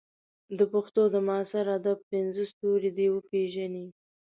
د پښتو د معاصر ادب پنځه ستوري دې وپېژني.